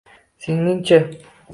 Singlingiz-chi?